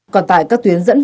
còn tại các tuyến dẫn khách